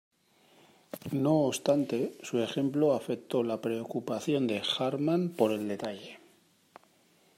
No obstante su ejemplo afectó la preocupación de Hartmann por el detalle.